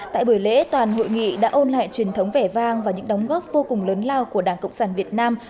tại buổi lễ toàn hội nghị đã ôn lại truyền thống vẻ vang và những đóng góp vô cùng lớn lao của đảng cộng sản việt nam